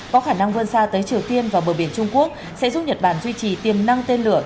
có khả năng vươn xa tới triều tiên và bờ biển trung quốc sẽ giúp nhật bản duy trì tiềm năng tên lửa